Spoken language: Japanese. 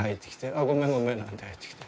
「ああごめんごめん」なんて入ってきて。